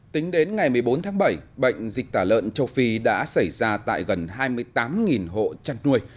tính đến ngày một mươi bốn tháng bảy bệnh dịch tả lợn châu phi đã xảy ra tại gần hai mươi tám hộ chăn nuôi